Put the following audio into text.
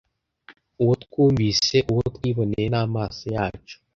uwo twumvise, uwo twiboneye n’amaso yacu,